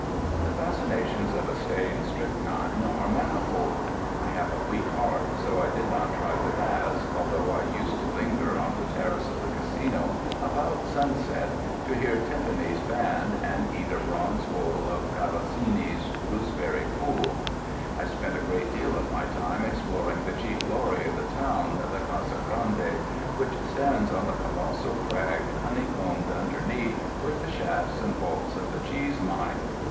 The fascinations of a stay in Strychnine are manifold. I have a weak heart, so I did not try the baths, although I used to linger on the terrace of the Casino about sunset to hear Tinpanni's band and eat a bronze bowl of Kerosini's gooseberry fool. I spent a great deal of my time exploring the chief glory of the town, the Casa Grande, which stands on the colossal crag honeycombed underneath with the shafts and vaults of the cheese mine.